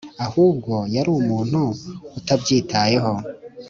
ahubwo, yari umuntu utabyitayeho.